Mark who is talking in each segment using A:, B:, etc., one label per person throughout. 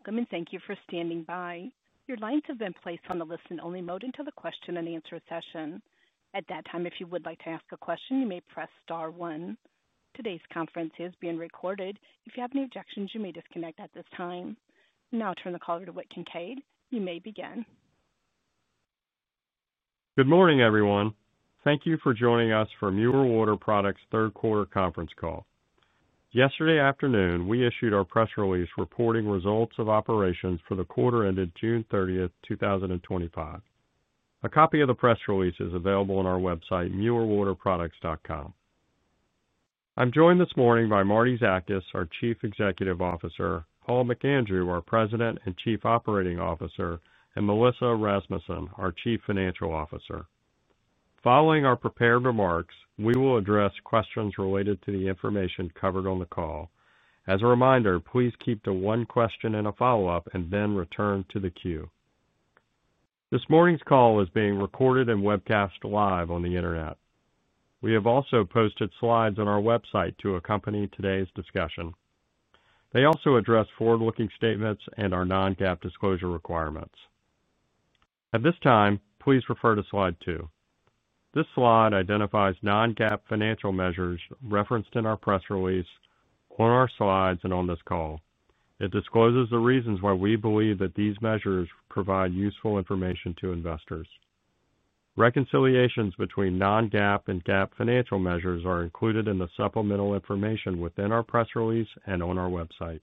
A: Welcome and thank you for standing by. Your lines have been placed on the listen-only mode until the question-and-answer session. At that time, if you would like to ask a question, you may press star one. Today's conference is being recorded. If you have any objections, you may disconnect at this time. Now, I'll turn the call to Whit Kincaid. You may begin.
B: Good morning, everyone. Thank you for joining us for Mueller Water Products' Third Quarter Conference Call. Yesterday afternoon, we issued our press release reporting results of operations for the quarter ended June 30th, 2025. A copy of the press release is available on our website, muellerwaterproducts.com. I'm joined this morning by Martie Zakas, our Chief Executive Officer, Paul McAndrew, our President and Chief Operating Officer, and Melissa Rasmussen, our Chief Financial Officer. Following our prepared remarks, we will address questions related to the information covered on the call. As a reminder, please keep to one question and a follow-up and then return to the queue. This morning's call is being recorded and webcast live on the internet. We have also posted slides on our website to accompany today's discussion. They also address forward-looking statements and our non-GAAP disclosure requirements. At this time, please refer to slide two. This slide identifies non-GAAP financial measures referenced in our press release, on our slides, and on this call. It discloses the reasons why we believe that these measures provide useful information to investors. Reconciliations between non-GAAP and GAAP financial measures are included in the supplemental information within our press release and on our website.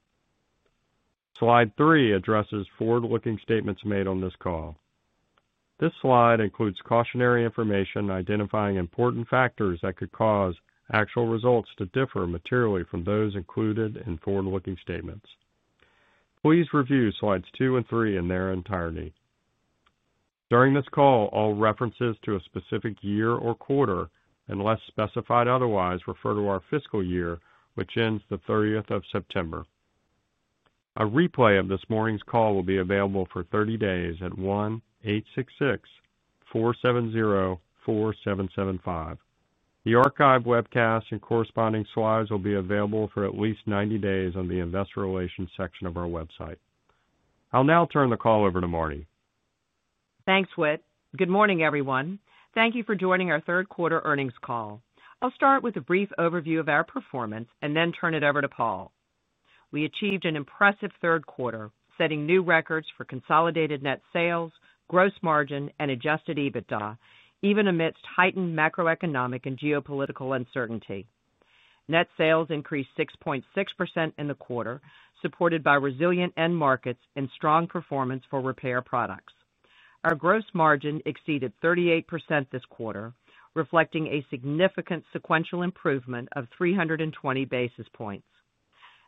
B: Slide three addresses forward-looking statements made on this call. This slide includes cautionary information identifying important factors that could cause actual results to differ materially from those included in forward-looking statements. Please review slides two and three in their entirety. During this call, all references to a specific year or quarter, unless specified otherwise, refer to our fiscal year, which ends September 30th. A replay of this morning's call will be available for 30 days at 1-866-470-4775. The archived webcast and corresponding slides will be available for at least 90 days on the Investor Relations section of our website. I'll now turn the call over to Martie.
C: Thanks, Whit. Good morning, everyone. Thank you for joining our third quarter earnings call. I'll start with a brief overview of our performance and then turn it over to Paul. We achieved an impressive third quarter, setting new records for consolidated net sales, gross margin, and adjusted EBITDA, even amidst heightened macroeconomic and geopolitical uncertainty. Net sales increased 6.6% in the quarter, supported by resilient end markets and strong performance for repair products. Our gross margin exceeded 38% this quarter, reflecting a significant sequential improvement of 320 basis points.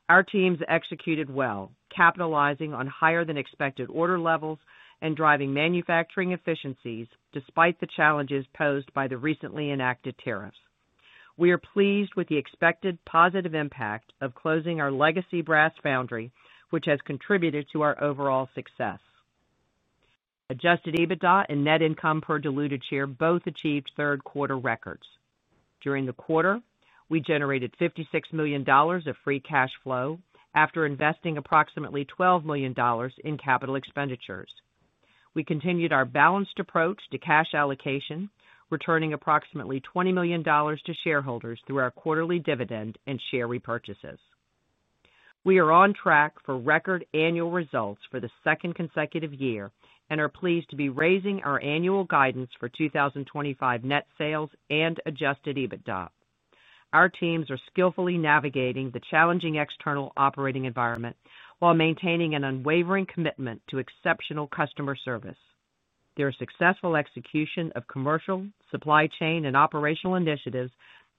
C: Our teams executed well, capitalizing on higher-than-expected order levels and driving manufacturing efficiencies despite the challenges posed by the recently enacted tariffs. We are pleased with the expected positive impact of closing our legacy brass foundry, which has contributed to our overall success. Adjusted EBITDA and net income per diluted share both achieved third-quarter records. During the quarter, we generated $56 million of free cash flow after investing approximately $12 million in capital expenditures. We continued our balanced approach to cash allocation, returning approximately $20 million to shareholders through our quarterly dividend and share repurchases. We are on track for record annual results for the second consecutive year and are pleased to be raising our annual guidance for 2025 net sales and adjusted EBITDA. Our teams are skillfully navigating the challenging external operating environment while maintaining an unwavering commitment to exceptional customer service. Their successful execution of commercial, supply chain, and operational initiatives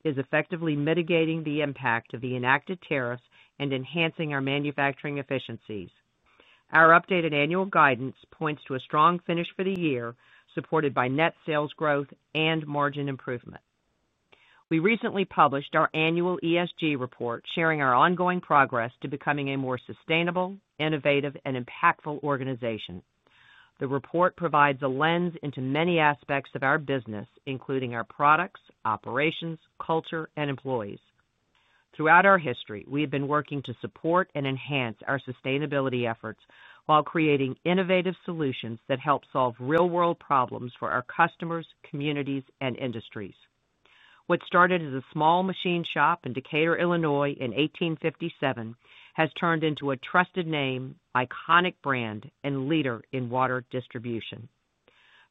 C: is effectively mitigating the impact of the enacted tariffs and enhancing our manufacturing efficiencies. Our updated annual guidance points to a strong finish for the year, supported by net sales growth and margin improvement. We recently published our annual ESG report, sharing our ongoing progress to becoming a more sustainable, innovative, and impactful organization. The report provides a lens into many aspects of our business, including our products, operations, culture, and employees. Throughout our history, we have been working to support and enhance our sustainability efforts while creating innovative solutions that help solve real-world problems for our customers, communities, and industries. What started as a small machine shop in Decatur, Illinois, in 1857 has turned into a trusted name, iconic brand, and leader in water distribution.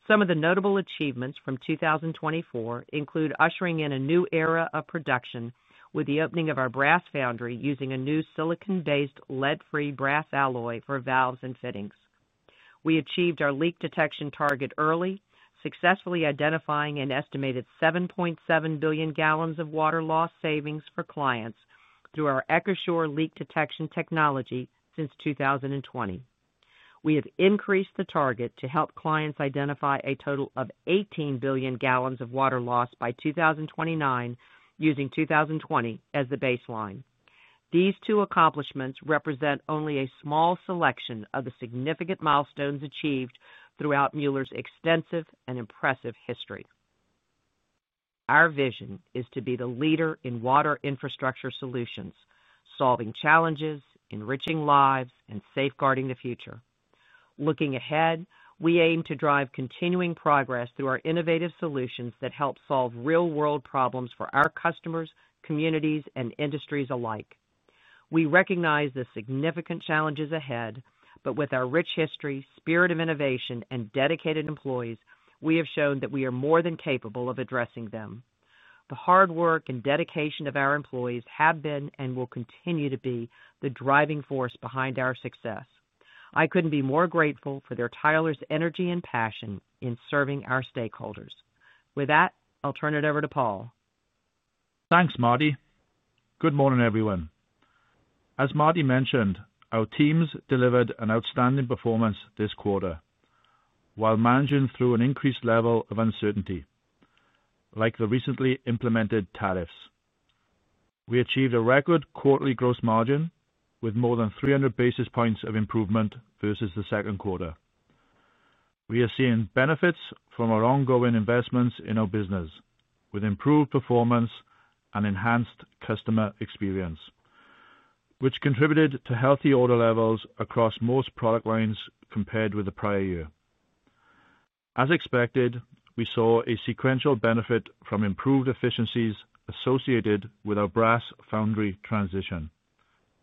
C: Some of the notable achievements from 2024 include ushering in a new era of production with the opening of our brass foundry using a new silicon-based, lead-free brass alloy for valves and fittings. We achieved our leak detection target early, successfully identifying an estimated 7.7 billion gal of water loss savings for clients through our EchoShore leak detection technology since 2020. We have increased the target to help clients identify a total of 18 billion gal of water loss by 2029, using 2020 as the baseline. These two accomplishments represent only a small selection of the significant milestones achieved throughout Mueller's extensive and impressive history. Our vision is to be the leader in water infrastructure solutions, solving challenges, enriching lives, and safeguarding the future. Looking ahead, we aim to drive continuing progress through our innovative solutions that help solve real-world problems for our customers, communities, and industries alike. We recognize the significant challenges ahead, but with our rich history, spirit of innovation, and dedicated employees, we have shown that we are more than capable of addressing them. The hard work and dedication of our employees have been and will continue to be the driving force behind our success. I couldn't be more grateful for their tireless energy and passion in serving our stakeholders. With that, I'll turn it over to Paul.
D: Thanks, Martie. Good morning, everyone. As Martie mentioned, our teams delivered an outstanding performance this quarter while managing through an increased level of uncertainty, like the recently implemented tariffs. We achieved a record quarterly gross margin with more than 300 basis points of improvement versus the second quarter. We are seeing benefits from our ongoing investments in our business, with improved performance and enhanced customer experience, which contributed to healthy order levels across most product lines compared with the prior year. As expected, we saw a sequential benefit from improved efficiencies associated with our brass foundry transition.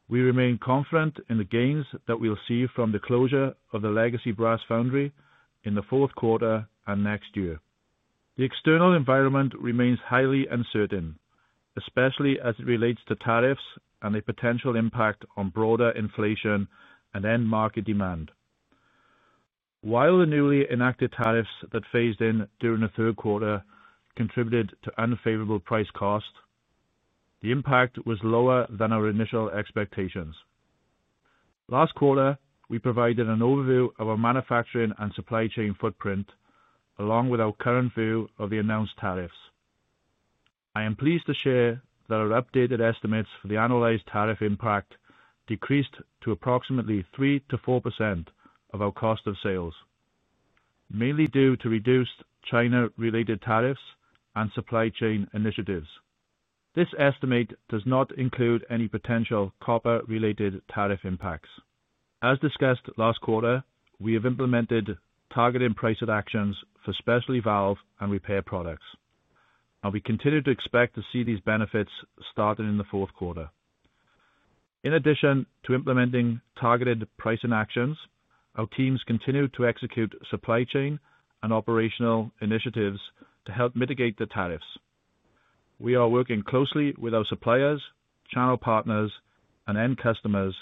D: We remain confident in the gains that we'll see from the closure of the legacy brass foundry in the fourth quarter and next year. The external environment remains highly uncertain, especially as it relates to tariffs and the potential impact on broader inflation and end market demand. While the newly enacted tariffs that phased in during the third quarter contributed to unfavorable price costs, the impact was lower than our initial expectations. Last quarter, we provided an overview of our manufacturing and supply chain footprint, along with our current view of the announced tariffs. I am pleased to share that our updated estimates for the analyzed tariff impact decreased to approximately 3%-4% of our cost of sales, mainly due to reduced China-related tariffs and supply chain initiatives. This estimate does not include any potential copper-related tariff impacts. As discussed last quarter, we have implemented targeted pricing actions for specialty valves and repair products, and we continue to expect to see these benefits starting in the fourth quarter. In addition to implementing targeted pricing actions, our teams continue to execute supply chain and operational initiatives to help mitigate the tariffs. We are working closely with our suppliers, channel partners, and end customers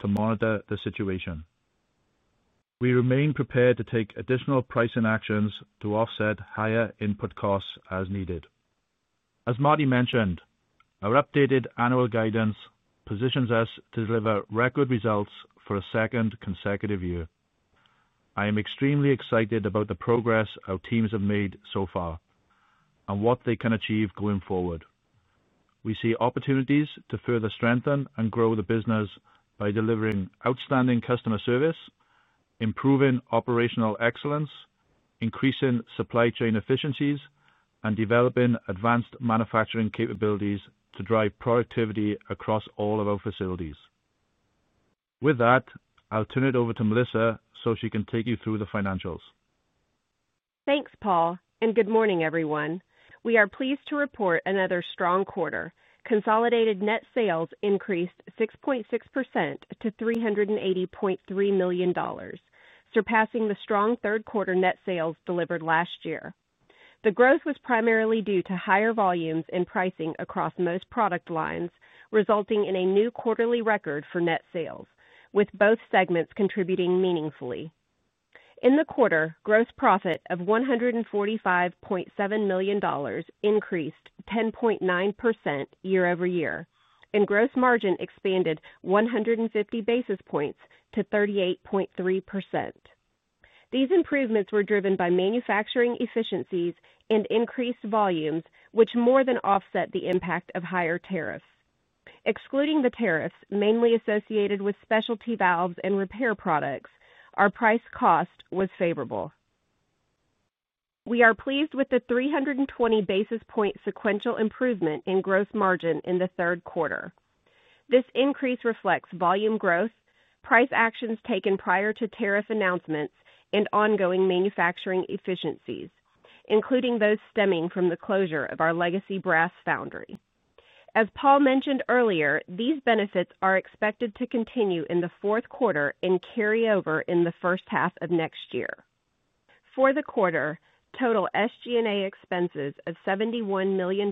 D: to monitor the situation. We remain prepared to take additional pricing actions to offset higher input costs as needed. As Martie mentioned, our updated annual guidance positions us to deliver record results for a second consecutive year. I am extremely excited about the progress our teams have made so far and what they can achieve going forward. We see opportunities to further strengthen and grow the business by delivering outstanding customer service, improving operational excellence, increasing supply chain efficiencies, and developing advanced manufacturing capabilities to drive productivity across all of our facilities. With that, I'll turn it over to Melissa so she can take you through the financials.
E: Thanks, Paul, and good morning, everyone. We are pleased to report another strong quarter. Consolidated net sales increased 6.6% to $380.3 million, surpassing the strong third-quarter net sales delivered last year. The growth was primarily due to higher volumes in pricing across most product lines, resulting in a new quarterly record for net sales, with both segments contributing meaningfully. In the quarter, gross profit of $145.7 million increased 10.9% year-over-year, and gross margin expanded 150 basis points to 38.3%. These improvements were driven by manufacturing efficiencies and increased volumes, which more than offset the impact of higher tariffs. Excluding the tariffs mainly associated with specialty valves and repair products, our price cost was favorable. We are pleased with the 320 basis point sequential improvement in gross margin in the third quarter. This increase reflects volume growth, price actions taken prior to tariff announcements, and ongoing manufacturing efficiencies, including those stemming from the closure of our legacy brass foundry. As Paul mentioned earlier, these benefits are expected to continue in the fourth quarter and carry over in the first half of next year. For the quarter, total SG&A expenses of $71 million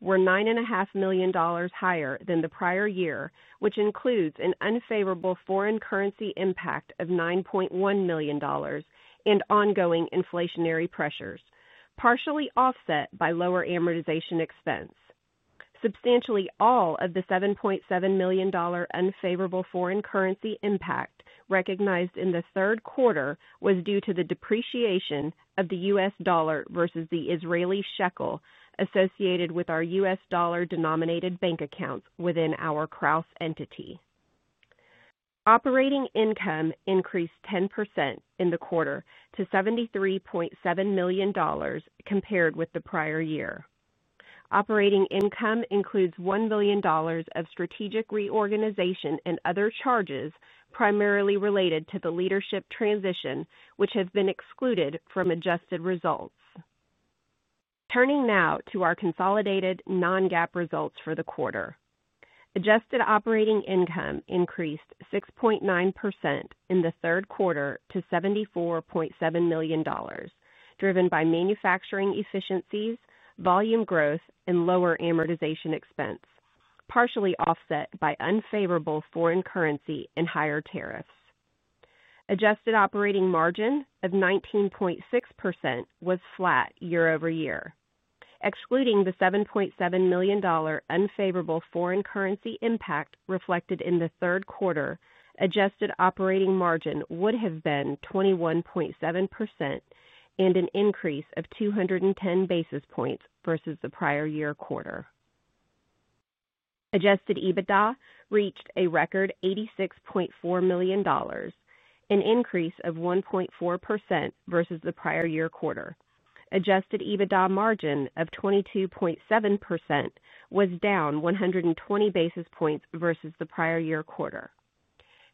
E: were $9.5 million higher than the prior year, which includes an unfavorable foreign currency impact of $9.1 million and ongoing inflationary pressures, partially offset by lower amortization expense. Substantially, all of the $7.7 million unfavorable foreign currency impact recognized in the third quarter was due to the depreciation of the U.S. dollar versus the Israeli shekel associated with our U.S. dollar-denominated bank accounts within our Krausz entity. Operating income increased 10% in the quarter to $73.7 million compared with the prior year. Operating income includes $1 million of strategic reorganization and other charges primarily related to the leadership transition, which have been excluded from adjusted results. Turning now to our consolidated non-GAAP results for the quarter. Adjusted operating income increased 6.9% in the third quarter to $74.7 million, driven by manufacturing efficiencies, volume growth, and lower amortization expense, partially offset by unfavorable foreign currency and higher tariffs. Adjusted operating margin of 19.6% was flat year-over-year. Excluding the $7.7 million unfavorable foreign currency impact reflected in the third quarter, adjusted operating margin would have been 21.7% and an increase of 210 basis points versus the prior year quarter. Adjusted EBITDA reached a record $86.4 million, an increase of 1.4% versus the prior year quarter. Adjusted EBITDA margin of 22.7% was down 120 basis points versus the prior year quarter.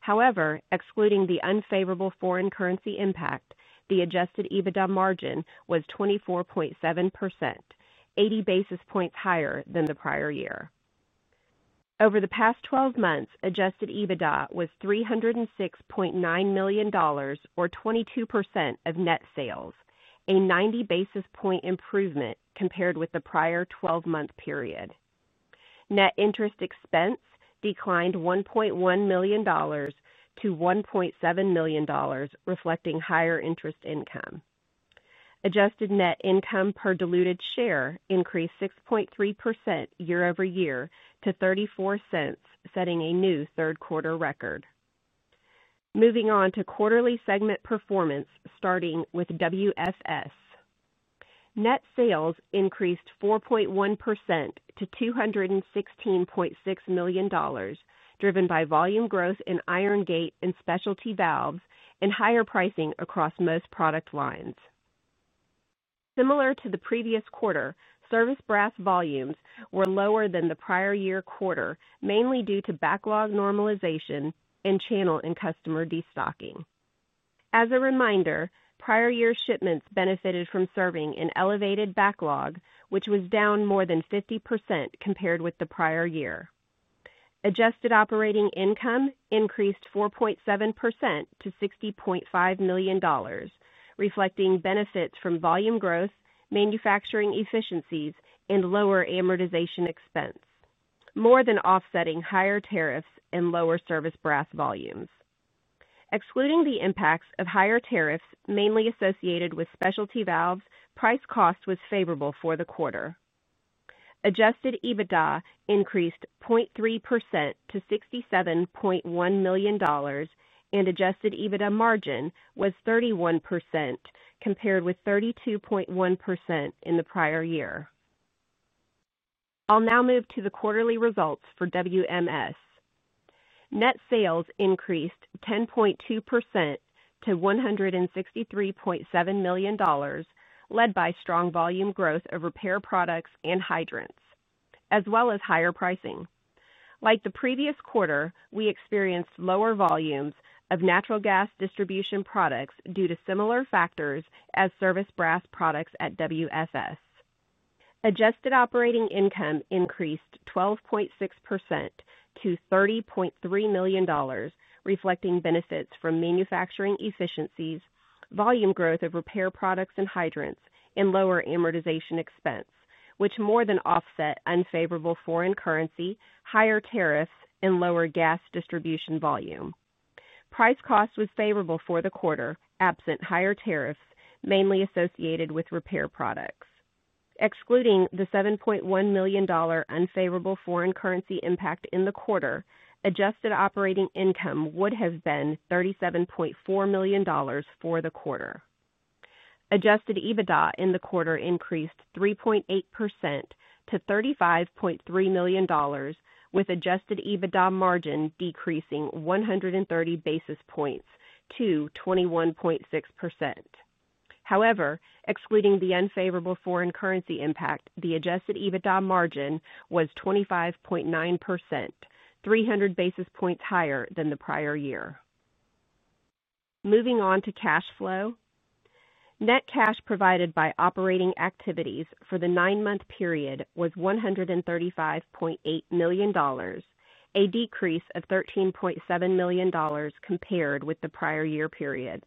E: However, excluding the unfavorable foreign currency impact, the adjusted EBITDA margin was 24.7%, 80 basis points higher than the prior year. Over the past 12 months, adjusted EBITDA was $306.9 million, or 22% of net sales, a 90 basis point improvement compared with the prior 12-month period. Net interest expense declined $1.1 million-$1.7 million, reflecting higher interest income. Adjusted net income per diluted share increased 6.3% year-over-year to $0.34, setting a new third-quarter record. Moving on to quarterly segment performance, starting with WFS. Net sales increased 4.1% to $216.6 million, driven by volume growth in iron gate and specialty valves and higher pricing across most product lines. Similar to the previous quarter, service brass volumes were lower than the prior year quarter, mainly due to backlog normalization and channel and customer destocking. As a reminder, prior year shipments benefited from serving an elevated backlog, which was down more than 50% compared with the prior year. Adjusted operating income increased 4.7% to $60.5 million, reflecting benefits from volume growth, manufacturing efficiencies, and lower amortization expense, more than offsetting higher tariffs and lower service brass volumes. Excluding the impacts of higher tariffs mainly associated with specialty valves, price cost was favorable for the quarter. Adjusted EBITDA increased 0.3% to $67.1 million, and adjusted EBITDA margin was 31% compared with 32.1% in the prior year. I'll now move to the quarterly results for WMS. Net sales increased 10.2% to $163.7 million, led by strong volume growth of repair products and hydrants, as well as higher pricing. Like the previous quarter, we experienced lower volumes of natural gas distribution products due to similar factors as service brass products at WFS. Adjusted operating income increased 12.6% to $30.3 million, reflecting benefits from manufacturing efficiencies, volume growth of repair products and hydrants, and lower amortization expense, which more than offset unfavorable foreign currency, higher tariffs, and lower gas distribution volume. Price cost was favorable for the quarter, absent higher tariffs, mainly associated with repair products. Excluding the $7.1 million unfavorable foreign currency impact in the quarter, adjusted operating income would have been $37.4 million for the quarter. Adjusted EBITDA in the quarter increased 3.8% to $35.3 million, with adjusted EBITDA margin decreasing 130 basis points to 21.6%. However, excluding the unfavorable foreign currency impact, the adjusted EBITDA margin was 25.9%, 300 basis points higher than the prior year. Moving on to cash flow. Net cash provided by operating activities for the nine-month period was $135.8 million, a decrease of $13.7 million compared with the prior year period.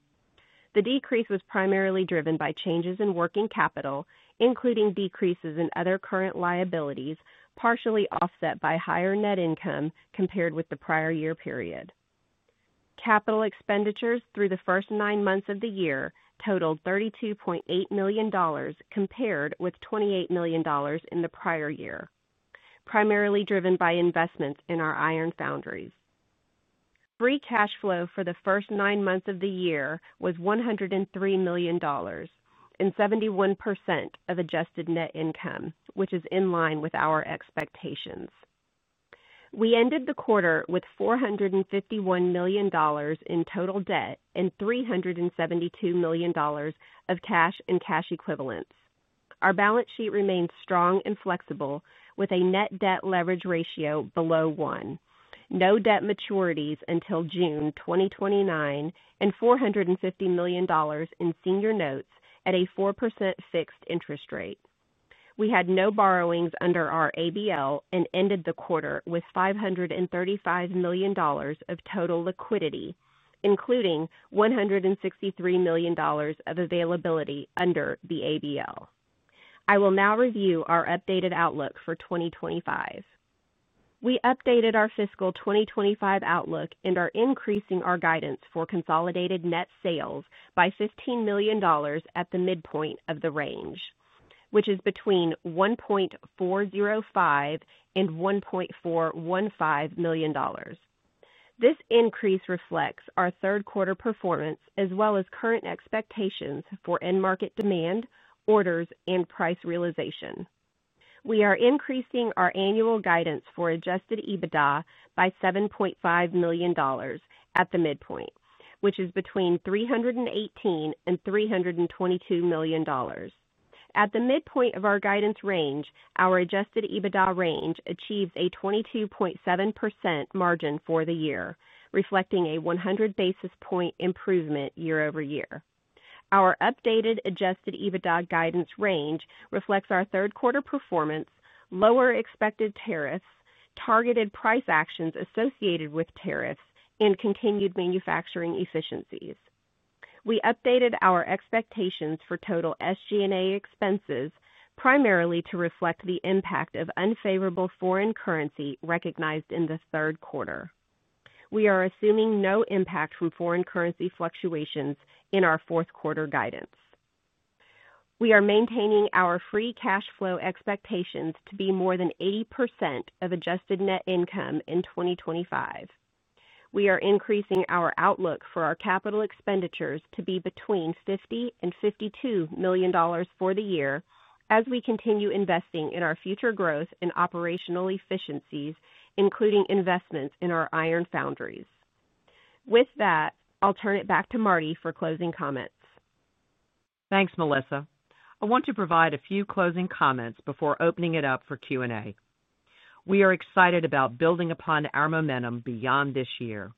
E: The decrease was primarily driven by changes in working capital, including decreases in other current liabilities, partially offset by higher net income compared with the prior year period. Capital expenditures through the first nine months of the year totaled $32.8 million compared with $28 million in the prior year, primarily driven by investments in our iron foundries. Free cash flow for the first nine months of the year was $103 million and 71% of adjusted net income, which is in line with our expectations. We ended the quarter with $451 million in total debt and $372 million of cash and cash equivalents. Our balance sheet remains strong and flexible, with a net debt leverage ratio below one, no debt maturities until June 2029, and $450 million in senior notes at a 4% fixed interest rate. We had no borrowings under our ABL and ended the quarter with $535 million of total liquidity, including $163 million of availability under the ABL. I will now review our updated outlook for 2025. We updated our fiscal 2025 outlook and are increasing our guidance for consolidated net sales by $15 million at the midpoint of the range, which is between $1.405 billion and $1.415 billion. This increase reflects our third-quarter performance as well as current expectations for end market demand, orders, and price realization. We are increasing our annual guidance for adjusted EBITDA by $7.5 million at the midpoint, which is between $318 million and $322 million. At the midpoint of our guidance range, our adjusted EBITDA range achieves a 22.7% margin for the year, reflecting a 100 basis point improvement year-over-year. Our updated adjusted EBITDA guidance range reflects our third-quarter performance, lower expected tariffs, targeted price actions associated with tariffs, and continued manufacturing efficiencies. We updated our expectations for total SG&A expenses primarily to reflect the impact of unfavorable foreign currency recognized in the third quarter. We are assuming no impact from foreign currency fluctuations in our fourth-quarter guidance. We are maintaining our free cash flow expectations to be more than 80% of adjusted net income in 2025. We are increasing our outlook for our capital expenditures to be between $50 million and $52 million for the year as we continue investing in our future growth and operational efficiencies, including investments in our iron foundries. With that, I'll turn it back to Martie for closing comments.
C: Thanks, Melissa. I want to provide a few closing comments before opening it up for Q&A. We are excited about building upon our momentum beyond this year.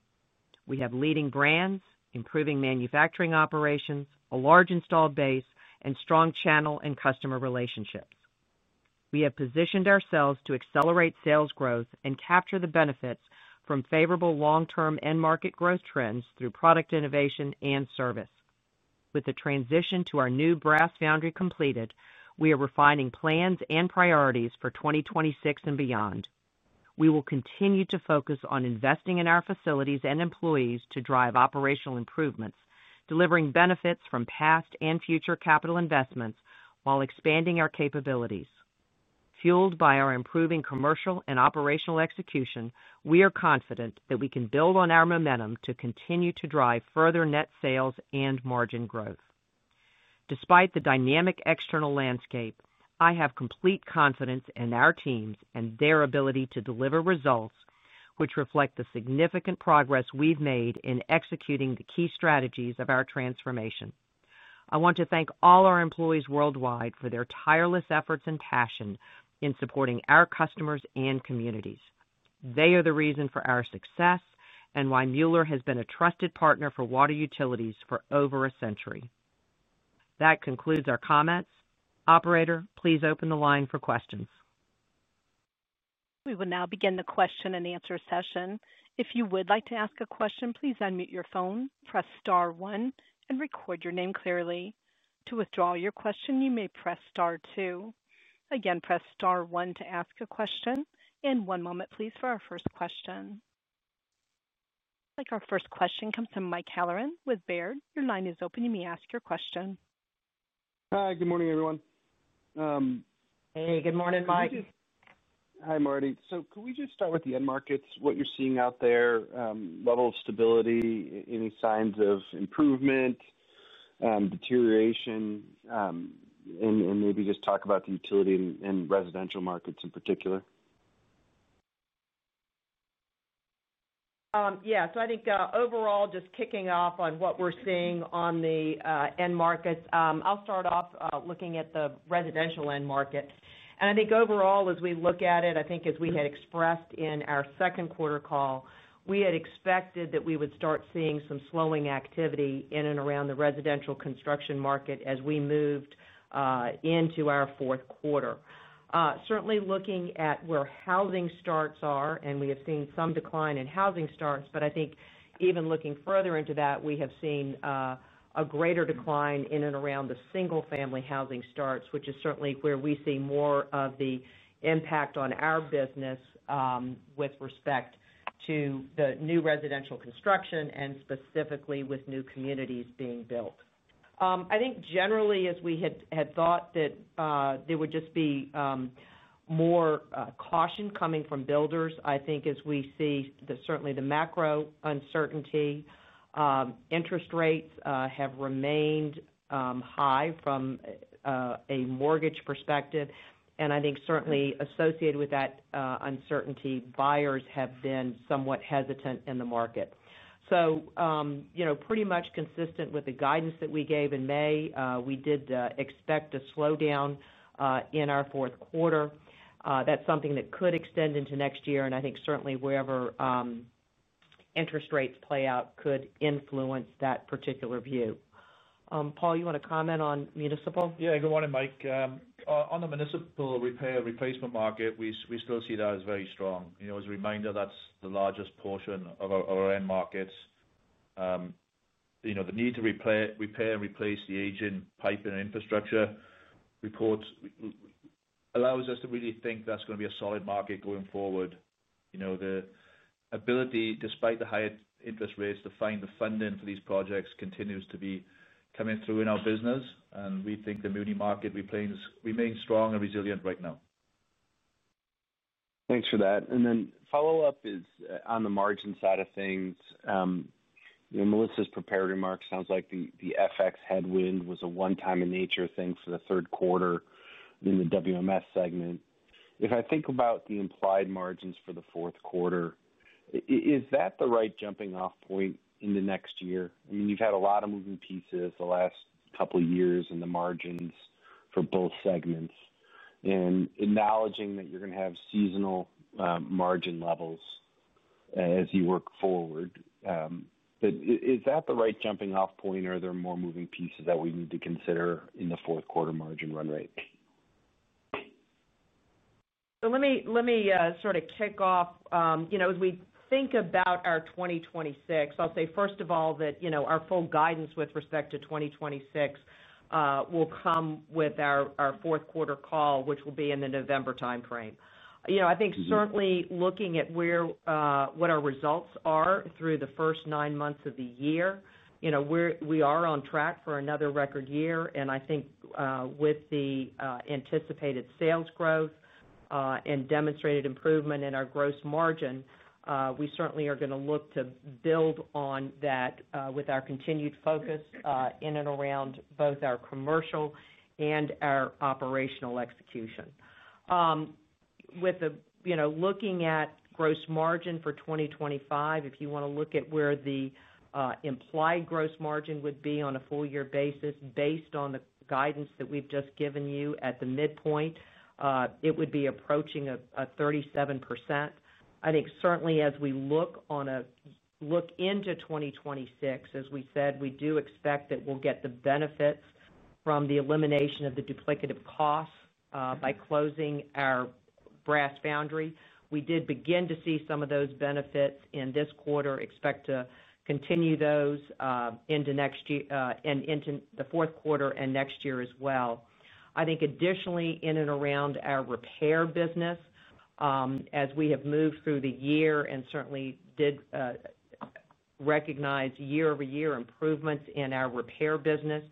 C: We have leading brands, improving manufacturing operations, a large installed base, and strong channel and customer relationships. We have positioned ourselves to accelerate sales growth and capture the benefits from favorable long-term end market growth trends through product innovation and service. With the transition to our new brass foundry completed, we are refining plans and priorities for 2026 and beyond. We will continue to focus on investing in our facilities and employees to drive operational improvements, delivering benefits from past and future capital investments while expanding our capabilities. Fueled by our improving commercial and operational execution, we are confident that we can build on our momentum to continue to drive further net sales and margin growth. Despite the dynamic external landscape, I have complete confidence in our teams and their ability to deliver results, which reflect the significant progress we've made in executing the key strategies of our transformation. I want to thank all our employees worldwide for their tireless efforts and passion in supporting our customers and communities. They are the reason for our success and why Mueller has been a trusted partner for water utilities for over a century. That concludes our comments. Operator, please open the line for questions.
A: We will now begin the question and answer session. If you would like to ask a question, please unmute your phone, press star one, and record your name clearly. To withdraw your question, you may press star two. Again, press star one to ask a question. One moment, please, for our first question. I think our first question comes from Mike Halloran with Baird. Your line is open. You may ask your question.
F: Hi. Good morning, everyone.
C: Hey, good morning, Mike.
F: Hi, Martie. Can we just start with the end markets, what you're seeing out there, level of stability, any signs of improvement, deterioration, and maybe just talk about the utility and residential markets in particular?
C: Yeah. I think overall, just kicking off on what we're seeing on the end markets, I'll start off looking at the residential end markets. I think overall, as we look at it, as we had expressed in our second quarter call, we had expected that we would start seeing some slowing activity in and around the residential construction market as we moved into our fourth quarter. Certainly, looking at where housing starts are, we have seen some decline in housing starts, but I think even looking further into that, we have seen a greater decline in and around the single-family housing starts, which is certainly where we see more of the impact on our business with respect to the new residential construction and specifically with new communities being built. I think generally, as we had thought that there would just be more caution coming from builders, as we see certainly the macro uncertainty, interest rates have remained high from a mortgage perspective. I think certainly associated with that uncertainty, buyers have been somewhat hesitant in the market. Pretty much consistent with the guidance that we gave in May, we did expect a slowdown in our fourth quarter. That's something that could extend into next year, and I think certainly wherever interest rates play out could influence that particular view. Paul, you want to comment on municipal?
D: Good morning, Mike. On the municipal repair replacement market, we still see that as very strong. As a reminder, that's the largest portion of our end markets. The need to repair and replace the aging piping and infrastructure allows us to really think that's going to be a solid market going forward. The ability, despite the high interest rates, to find the funding for these projects continues to be coming through in our business, and we think the municipal market remains strong and resilient right now.
F: Thanks for that. The follow-up is on the margin side of things. Melissa's prepared remarks sound like the FX headwind was a one-time in nature thing for the third quarter in the WMS segment. If I think about the implied margins for the fourth quarter, is that the right jumping-off point in the next year? I mean, you've had a lot of moving pieces the last couple of years in the margins for both segments, and acknowledging that you're going to have seasonal margin levels as you work forward. Is that the right jumping-off point, or are there more moving pieces that we need to consider in the fourth quarter margin run rate?
C: Let me sort of kick off. As we think about our 2026, I'll say first of all that our full guidance with respect to 2026 will come with our fourth quarter call, which will be in the November timeframe. I think certainly looking at what our results are through the first nine months of the year, we are on track for another record year. I think with the anticipated sales growth and demonstrated improvement in our gross margin, we certainly are going to look to build on that with our continued focus in and around both our commercial and our operational execution. Looking at gross margin for 2025, if you want to look at where the implied gross margin would be on a full-year basis based on the guidance that we've just given you at the midpoint, it would be approaching 37%. I think certainly as we look into 2026, as we said, we do expect that we'll get the benefits from the elimination of the duplicative costs by closing our legacy brass foundry. We did begin to see some of those benefits in this quarter, expect to continue those into the fourth quarter and next year as well. I think additionally in and around our repair business, as we have moved through the year and certainly did recognize year-over-year improvements in our repair business,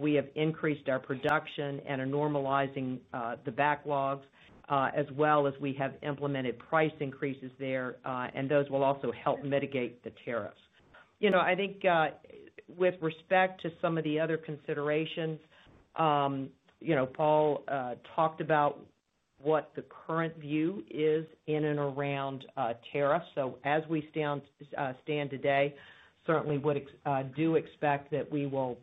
C: we have increased our production and are normalizing the backlogs, as well as we have implemented price increases there, and those will also help mitigate the tariffs. I think with respect to some of the other considerations, Paul talked about what the current view is in and around tariffs. As we stand today, certainly do expect that we will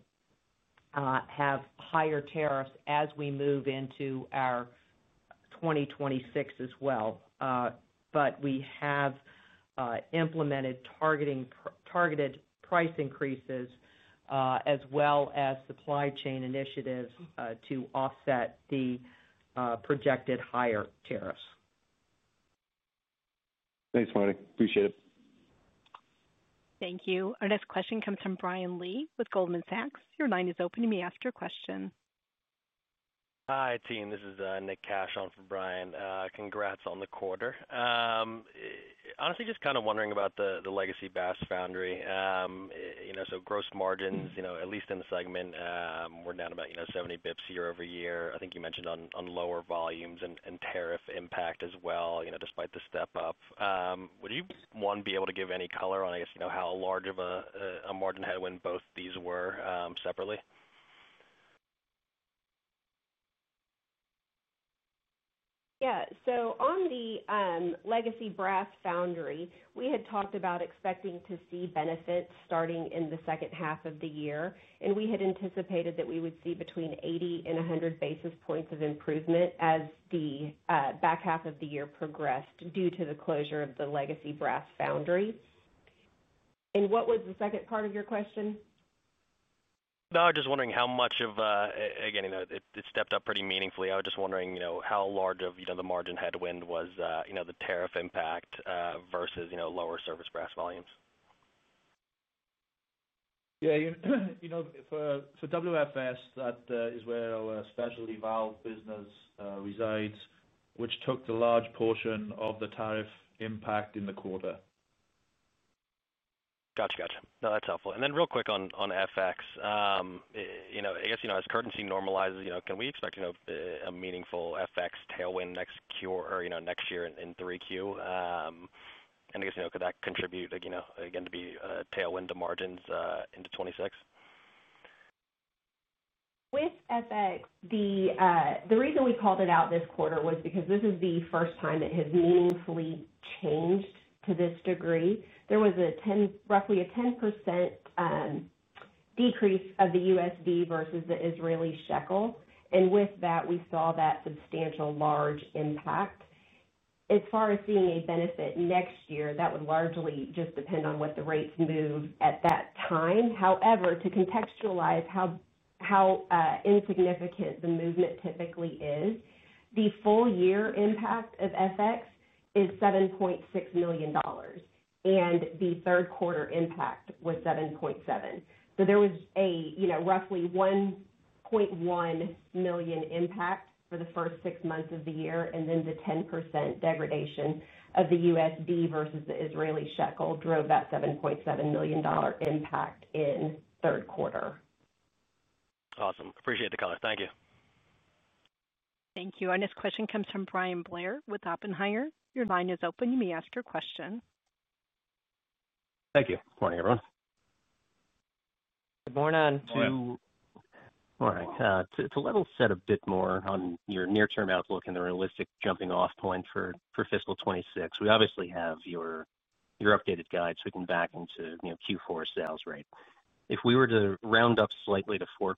C: have higher tariffs as we move into our 2026 as well. We have implemented targeted price increases, as well as supply chain initiatives to offset the projected higher tariffs.
F: Thanks, Martie. Appreciate it.
A: Thank you. Our next question comes from Brian Lee with Goldman Sachs. Your line is open and you may ask your question.
G: Hi, team. This is Nick Cash on for Brian. Congrats on the quarter. Honestly, just kind of wondering about the legacy brass foundry. Gross margins, at least in the segment, were down about 70 basis points year-over-year. I think you mentioned on lower volumes and tariff impact as well, despite the step-up. Would you want to be able to give any color on how large of a margin headwind both of these were separately?
E: Yeah. On the legacy brass foundry, we had talked about expecting to see benefits starting in the second half of the year, and we had anticipated that we would see between 80 and 100 basis points of improvement as the back half of the year progressed due to the closure of the legacy brass foundry. What was the second part of your question?
G: I was just wondering how much of, again, you know, it stepped up pretty meaningfully. I was just wondering how large of the margin headwind was the tariff impact versus lower service brass volumes?
D: Yeah, you know, for WFS, that is where our specialty valves business resides, which took the large portion of the tariff impact in the quarter.
G: Gotcha, gotcha. No, that's helpful. Real quick on FX, as currency normalizes, can we expect a meaningful FX tailwind next year, or next year in 3Q? I guess, could that contribute again to be a tailwind to margins into 2026?
E: With FX, the reason we called it out this quarter was because this is the first time it has meaningfully changed to this degree. There was roughly a 10% decrease of the USD versus the Israeli shekel, and with that, we saw that substantial large impact. As far as seeing a benefit next year, that would largely just depend on what the rates move at that time. However, to contextualize how insignificant the movement typically is, the full-year impact of FX is $7.6 million, and the third quarter impact was $7.7 million. There was a roughly $1.1 million impact for the first six months of the year, and then the 10% degradation of the USD versus the Israeli shekel drove that $7.7 million impact in third quarter.
G: Awesome. Appreciate the color. Thank you.
A: Thank you. Our next question comes from Bryan Blair with Oppenheimer. Your line is open. You may ask your question.
H: Thank you. Good morning, everyone.
D: Good morning.
H: Morning. To level set a bit more on your near-term outlook and the realistic jumping-off point for fiscal 2026, we obviously have your updated guide sweeping back into, you know, Q4 sales rate. If we were to round up slightly to 4%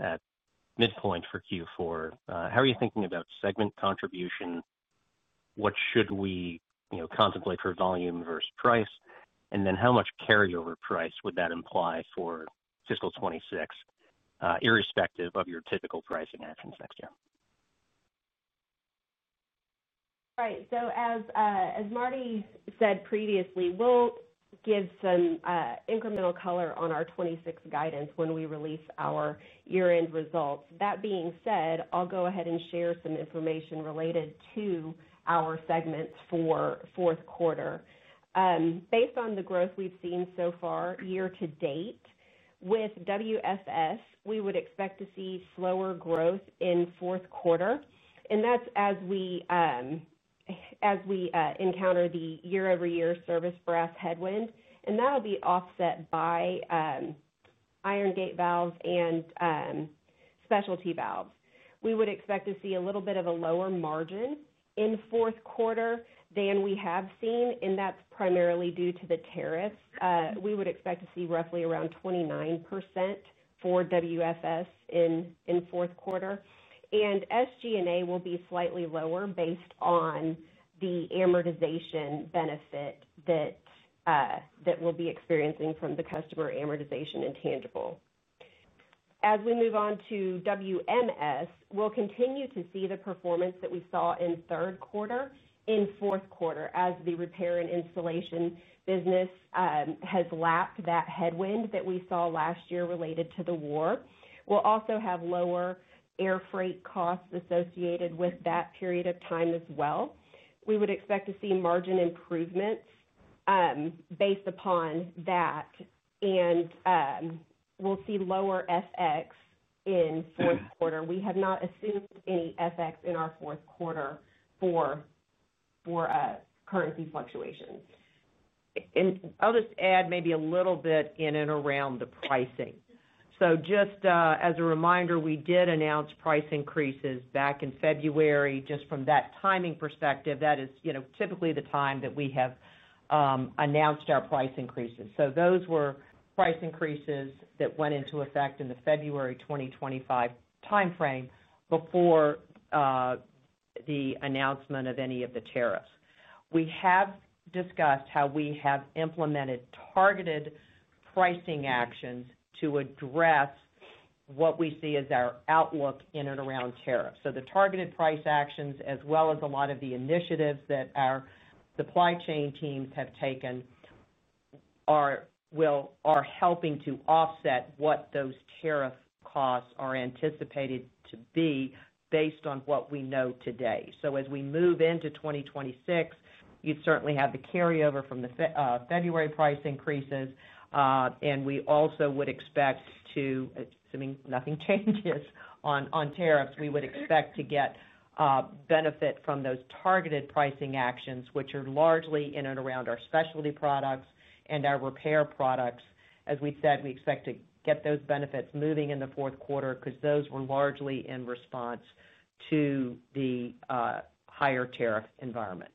H: at midpoint for Q4, how are you thinking about segment contribution? What should we, you know, contemplate for volume versus price? How much carryover price would that imply for fiscal 2026, irrespective of your typical pricing actions next year?
E: Right. As Martie said previously, we'll give some incremental color on our 2026 guidance when we release our year-end results. That being said, I'll go ahead and share some information related to our segments for the fourth quarter. Based on the growth we've seen so far year to date, with WFS, we would expect to see slower growth in the fourth quarter, and that's as we encounter the year-over-year service brass headwind, and that'll be offset by iron gate valves and specialty valves. We would expect to see a little bit of a lower margin in the fourth quarter than we have seen, and that's primarily due to the tariffs. We would expect to see roughly around 29% for WFS in the fourth quarter, and SG&A will be slightly lower based on the amortization benefit that we'll be experiencing from the customer amortization intangible. As we move on to WMS, we'll continue to see the performance that we saw in the third quarter in the fourth quarter as the repair and installation business has lapped that headwind that we saw last year related to the war. We'll also have lower air freight costs associated with that period of time as well. We would expect to see margin improvements based upon that, and we'll see lower FX in the fourth quarter. We have not assumed any FX in our fourth quarter for currency fluctuations.
C: I'll just add maybe a little bit in and around the pricing. Just as a reminder, we did announce price increases back in February. From that timing perspective, that is typically the time that we have announced our price increases. Those were price increases that went into effect in the February 2025 timeframe before the announcement of any of the tariffs. We have discussed how we have implemented targeted pricing actions to address what we see as our outlook in and around tariffs. The targeted price actions, as well as a lot of the initiatives that our supply chain teams have taken, are helping to offset what those tariff costs are anticipated to be based on what we know today. As we move into 2026, you'd certainly have the carryover from the February price increases, and we also would expect to, assuming nothing changes on tariffs, get benefit from those targeted pricing actions, which are largely in and around our specialty products and our repair products. As we said, we expect to get those benefits moving in the fourth quarter because those were largely in response to the higher tariff environment.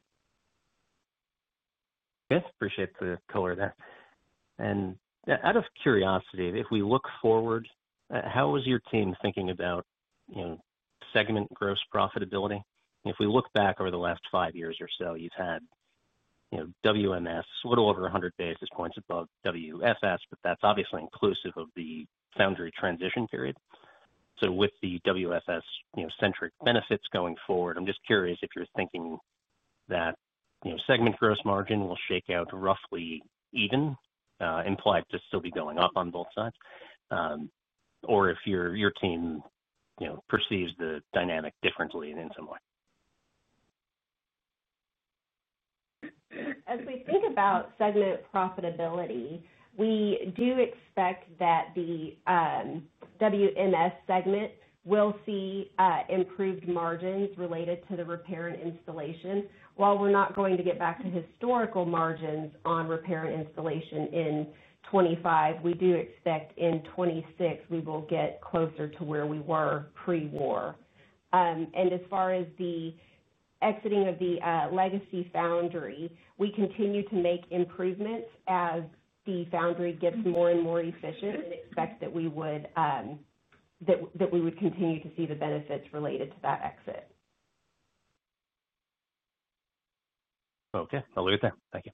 H: Yes, appreciate the color there. Out of curiosity, if we look forward, how is your team thinking about, you know, segment gross profitability? If we look back over the last five years or so, you've had, you know, WMS a little over 100 basis points above WFS, but that's obviously inclusive of the foundry transition period. With the WFS-centric benefits going forward, I'm just curious if you're thinking that, you know, segment gross margin will shake out roughly even, implied to still be going up on both sides, or if your team, you know, perceives the dynamic differently in some way.
E: As we think about segment profitability, we do expect that the WMS segment will see improved margins related to the repair and installation. While we're not going to get back to historical margins on repair and installation in 2025, we do expect in 2026 we will get closer to where we were pre-war. As far as the exiting of the legacy brass foundry, we continue to make improvements as the foundry gets more and more efficient and expect that we would continue to see the benefits related to that exit.
H: Okay, I'll leave it there. Thank you.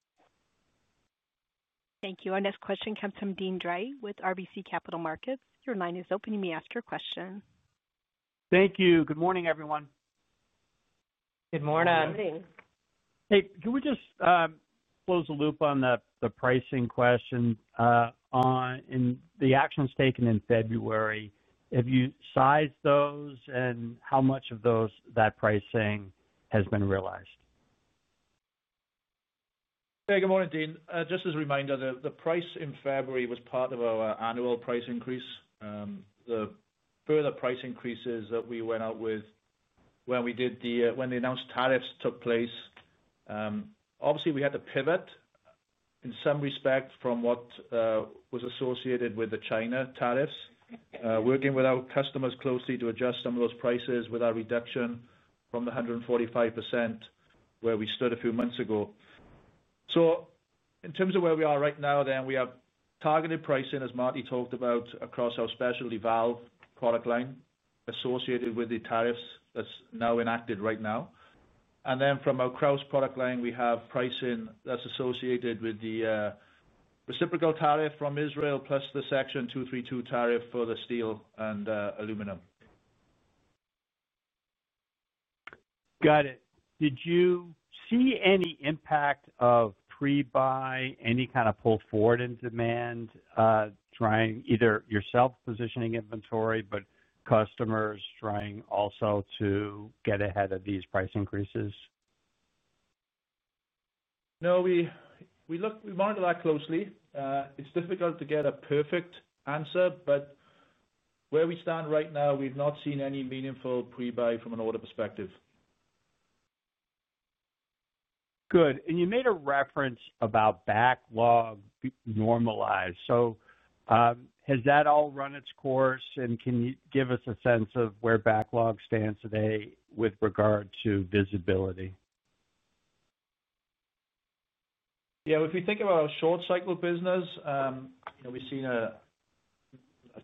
A: Thank you. Our next question comes from Deane Dray with RBC Capital Markets. Your line is open. You may ask your question.
I: Thank you. Good morning, everyone.
C: Good morning.
E: Morning.
I: Can we just close the loop on the pricing questions? In the actions taken in February, have you sized those, and how much of that pricing has been realized?
D: Yeah, good morning, Deane. Just as a reminder, the price in February was part of our annual price increase. The further price increases that we went out with when the announced tariffs took place, obviously, we had to pivot in some respect from what was associated with the China tariffs, working with our customers closely to adjust some of those prices with our reduction from the 145% where we stood a few months ago. In terms of where we are right now, we have targeted pricing, as Martie talked about, across our specialty valves product line associated with the tariffs that's now enacted right now. From our Krausz product line, we have pricing that's associated with the reciprocal tariff from Israel, plus the Section 232 tariff for the steel and aluminum.
I: Got it. Did you see any impact of pre-buy, any kind of pull forward in demand, either yourself positioning inventory or customers trying also to get ahead of these price increases?
D: No, we looked at that closely. It's difficult to get a perfect answer, but where we stand right now, we've not seen any meaningful pre-buy from an order perspective.
I: Good. You made a reference about backlog normalized. Has that all run its course, and can you give us a sense of where backlog stands today with regard to visibility?
D: If we think about our short-cycle business, we've seen a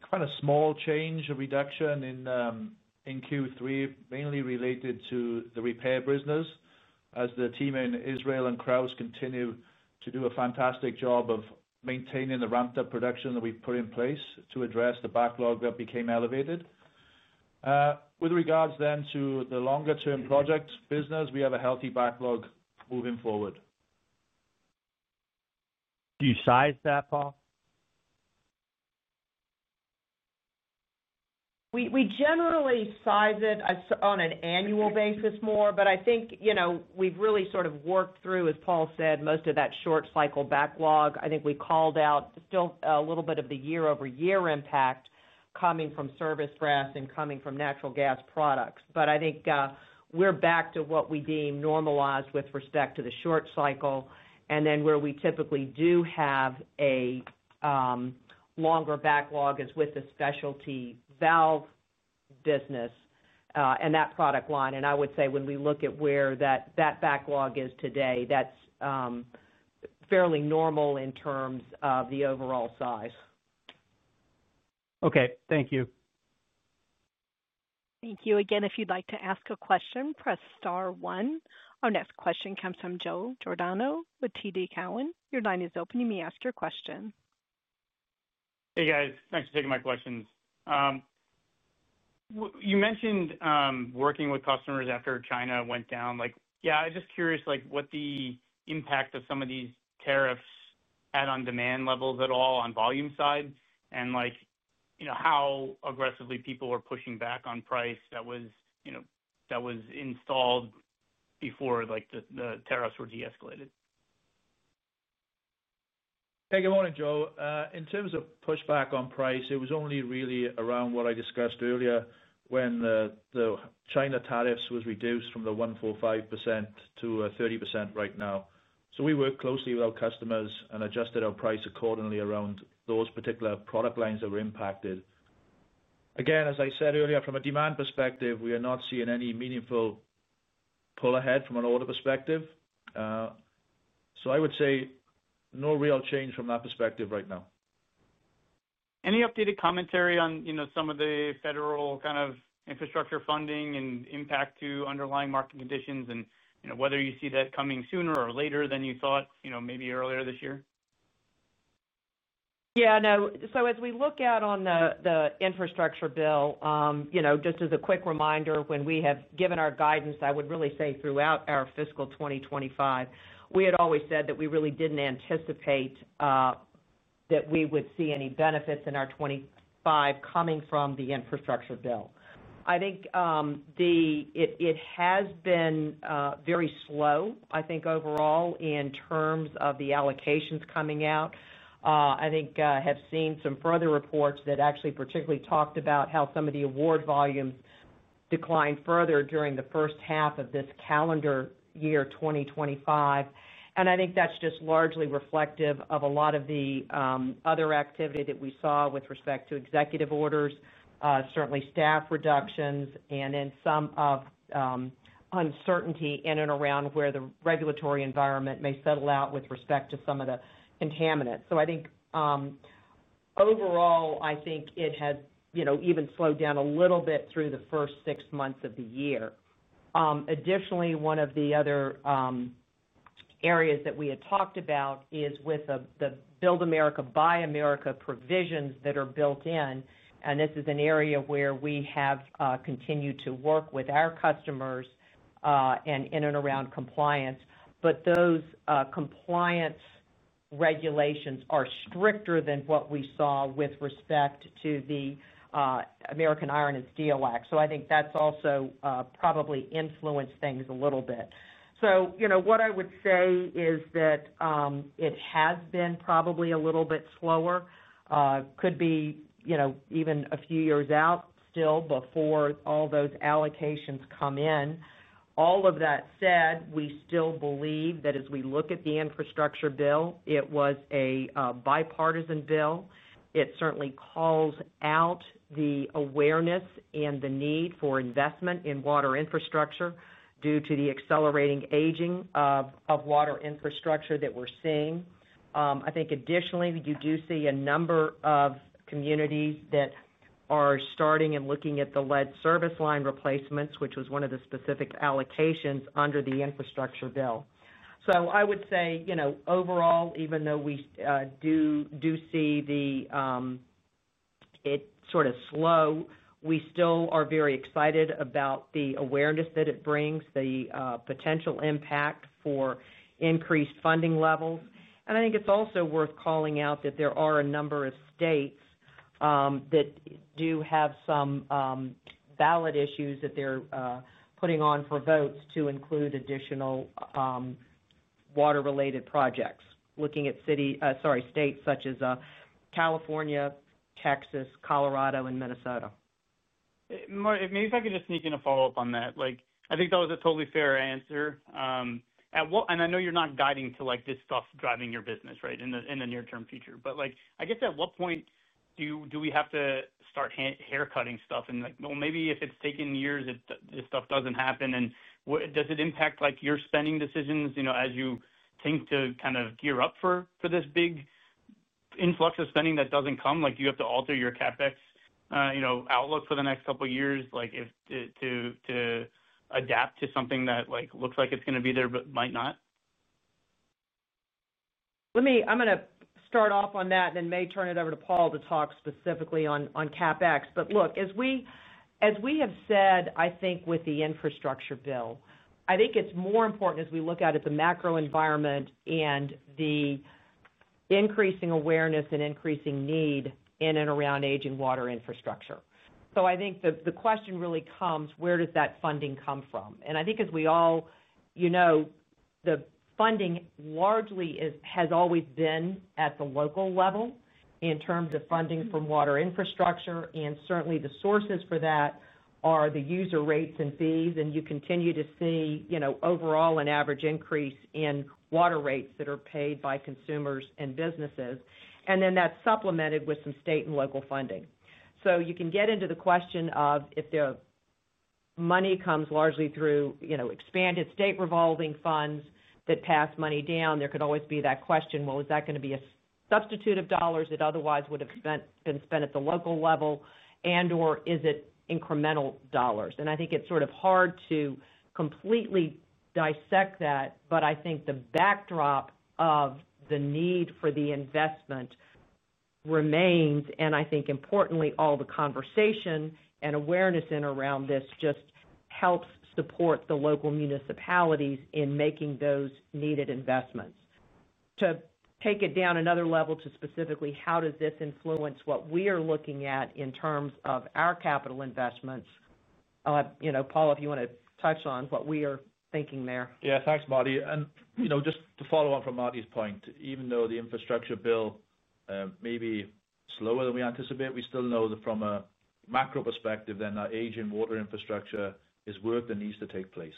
D: kind of small change or reduction in Q3 mainly related to the repair products business as the team in Israel and Krausz continue to do a fantastic job of maintaining the ramped-up production that we put in place to address the backlog that became elevated. With regards to the longer-term project business, we have a healthy backlog moving forward.
I: Do you size that, Paul?
C: We generally size it on an annual basis more, but I think we've really sort of worked through, as Paul said, most of that short-cycle backlog. I think we called out still a little bit of the year-over-year impact coming from service brass and coming from natural gas products. I think we're back to what we deem normalized with respect to the short cycle, and where we typically do have a longer backlog is with the specialty valve business and that product line. I would say when we look at where that backlog is today, that's fairly normal in terms of the overall size.
I: Okay, thank you.
A: Thank you. Again, if you'd like to ask a question, press star one. Our next question comes from Joe Giordano with TD Cowen. Your line is open. You may ask your question.
J: Hey, guys. Thanks for taking my questions. You mentioned working with customers after China went down. I was just curious what the impact of some of these tariffs had on demand levels at all on the volume side and how aggressively people were pushing back on price that was installed before the tariffs were de-escalated.
D: Hey, good morning, Joe. In terms of pushback on price, it was only really around what I discussed earlier when the China tariffs were reduced from 145%-30% right now. We worked closely with our customers and adjusted our price accordingly around those particular product lines that were impacted. Again, as I said earlier, from a demand perspective, we are not seeing any meaningful pull ahead from an order perspective. I would say no real change from that perspective right now.
J: Any updated commentary on, you know, some of the federal kind of infrastructure funding and impact to underlying market conditions, and you know, whether you see that coming sooner or later than you thought, you know, maybe earlier this year?
C: As we look out on the infrastructure bill, just as a quick reminder, when we have given our guidance, I would really say throughout our fiscal 2025, we had always said that we really didn't anticipate that we would see any benefits in our 2025 coming from the infrastructure bill. It has been very slow, overall, in terms of the allocations coming out. I have seen some further reports that actually particularly talked about how some of the award volumes declined further during the first half of this calendar year, 2025. That's just largely reflective of a lot of the other activity that we saw with respect to executive orders, certainly staff reductions, and then some uncertainty in and around where the regulatory environment may settle out with respect to some of the contaminants. Overall, it has even slowed down a little bit through the first six months of the year. Additionally, one of the other areas that we had talked about is with the Build America, Buy America provisions that are built in. This is an area where we have continued to work with our customers in and around compliance. Those compliance regulations are stricter than what we saw with respect to the American Iron and Steel Act. That's also probably influenced things a little bit. It has been probably a little bit slower. It could be even a few years out still before all those allocations come in. All of that said, we still believe that as we look at the infrastructure bill, it was a bipartisan bill. It certainly calls out the awareness and the need for investment in water infrastructure due to the accelerating aging of water infrastructure that we're seeing. Additionally, you do see a number of communities that are starting and looking at the lead service line replacements, which was one of the specific allocations under the infrastructure bill. Overall, even though we do see it sort of slow, we still are very excited about the awareness that it brings and the potential impact for increased funding levels. It's also worth calling out that there are a number of states that do have some ballot issues that they're putting on for votes to include additional water-related projects, looking at states such as California, Texas, Colorado, and Minnesota.
J: Maybe if I could just sneak in a follow-up on that. I think that was a totally fair answer. I know you're not guiding to this stuff driving your business, right, in the near-term future. I guess at what point do we have to start haircutting stuff? Maybe if it's taken years, this stuff doesn't happen. Does it impact your spending decisions as you think to kind of gear up for this big influx of spending that doesn't come? Do you have to alter your CapEx outlook for the next couple of years to adapt to something that looks like it's going to be there but might not?
C: Let me, I'm going to start off on that and then may turn it over to Paul to talk specifically on CapEx. As we have said, I think with the infrastructure bill, it's more important as we look at it, the macro environment and the increasing awareness and increasing need in and around aging water infrastructure. I think the question really comes, where does that funding come from? I think as we all know, the funding largely has always been at the local level in terms of funding for water infrastructure, and certainly the sources for that are the user rates and fees. You continue to see overall an average increase in water rates that are paid by consumers and businesses, and that's supplemented with some state and local funding. You can get into the question of if the money comes largely through expanded state revolving funds that pass money down, there could always be that question, is that going to be a substitute of dollars that otherwise would have been spent at the local level, and/or is it incremental dollars? I think it's sort of hard to completely dissect that, but I think the backdrop of the need for the investment remains, and I think importantly, all the conversation and awareness in and around this just helps support the local municipalities in making those needed investments. To take it down another level to specifically, how does this influence what we are looking at in terms of our capital investments? Paul, if you want to touch on what we are thinking there.
D: Yeah, thanks, Martie. Just to follow on from Martie's point, even though the infrastructure bill may be slower than we anticipate, we still know that from a macro perspective, that aging water infrastructure has worked and needs to take place.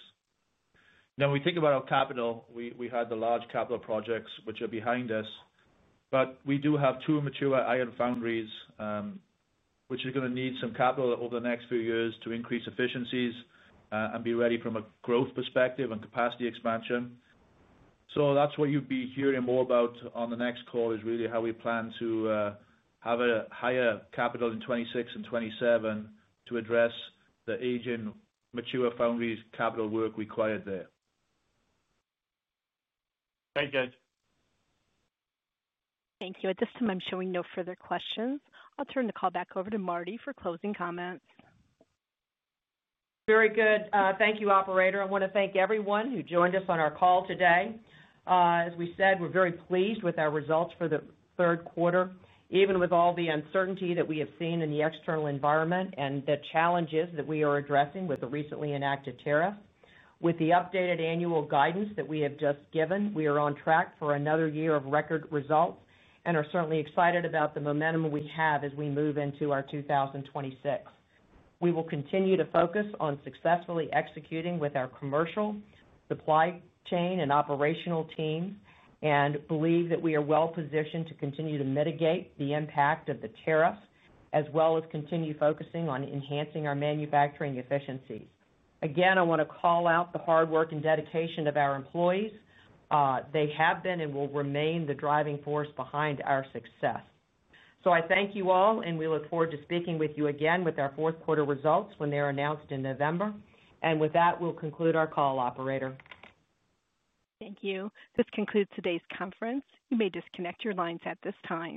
D: Now, when we think about our capital, we had the large capital projects which are behind us, but we do have two mature iron foundries which are going to need some capital over the next few years to increase efficiencies and be ready from a growth perspective and capacity expansion. That's what you'd be hearing more about on the next call, really how we plan to have a higher capital in 2026 and 2027 to address the aging mature foundry's capital work required there.
I: Thanks, guys.
A: Thank you. At this time, I'm showing no further questions. I'll turn the call back over to Martie for closing comments.
C: Very good. Thank you, Operator. I want to thank everyone who joined us on our call today. As we said, we're very pleased with our results for the third quarter, even with all the uncertainty that we have seen in the external environment and the challenges that we are addressing with the recently enacted tariffs. With the updated annual guidance that we have just given, we are on track for another year of record results and are certainly excited about the momentum we have as we move into 2026. We will continue to focus on successfully executing with our commercial supply chain and operational teams and believe that we are well positioned to continue to mitigate the impact of the tariffs, as well as continue focusing on enhancing our manufacturing efficiency. Again, I want to call out the hard work and dedication of our employees. They have been and will remain the driving force behind our success. I thank you all, and we look forward to speaking with you again with our fourth quarter results when they're announced in November. With that, we'll conclude our call, Operator.
A: Thank you. This concludes today's conference. You may disconnect your lines at this time.